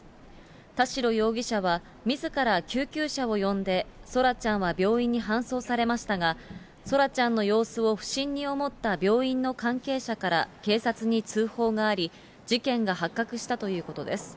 田代容疑者はみずから救急車を呼んで、そらちゃんは病院に搬送されましたが、そらちゃんの様子を不審に思った病院の関係者から警察に通報があり、事件が発覚したということです。